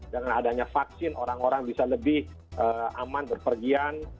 dengan adanya vaksin orang orang bisa lebih aman berpergian